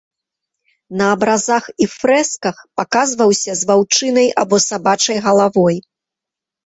На абразах і фрэсках паказваўся з ваўчынай або сабачай галавой.